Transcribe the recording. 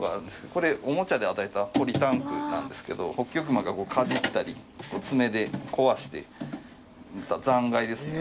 これおもちゃで与えたポリタンクなんですけどホッキョクグマがかじったり爪で壊して残骸ですね。